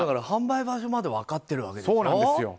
販売場所まで分かってるわけでしょ。